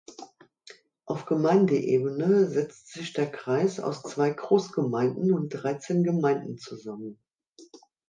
Auf Gemeindeebene setzt sich der Kreis aus zwei Großgemeinden und dreizehn Gemeinden zusammen.